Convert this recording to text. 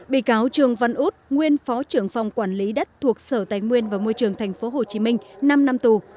bị cáo trường văn út nguyên phó trưởng phòng quản lý đất thuộc sở tài nguyên và môi trường tp hcm năm năm tù